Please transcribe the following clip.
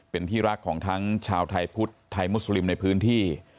เป็นที่รักของทั้งชาวไทยพุทธไทยมุสลิมในพื้นที่